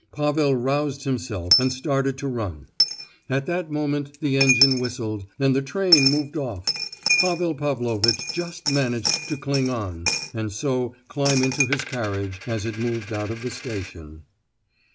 Pavel roused himself and started to run. At that moment the engine whistled, and the train moved off. Pavel Pavlovitch just managed to cling on, and so climb into his carriage, as it moved out of the station.